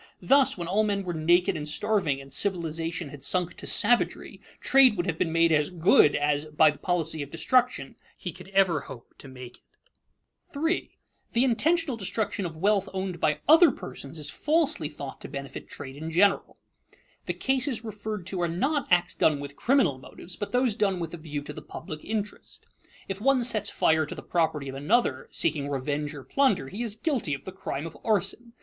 Thus, when all men were naked and starving, and civilization had sunk to savagery, trade would have been made as "good" as, by the policy of destruction, he could ever hope to make it. [Sidenote: Intentional destruction of others' wealth] 3. The intentional destruction of wealth owned by other persons is falsely thought to benefit trade in general. The cases referred to are not acts done with criminal motives, but those done with a view to the public interest. If one sets fire to the property of another, seeking revenge or plunder, he is guilty of the crime of arson.